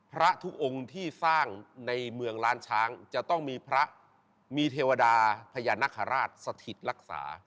พระทุกองค์ที่สร้างในเมืองล้านช้างจะต้องมีพระมีเทวดาพญานาคาราชสถิตรักษา